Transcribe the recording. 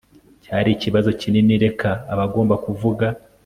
cyari ikibazo kinini? reka abagomba kuvuga